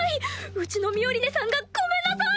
うちのミオリネさんがごめんなさい！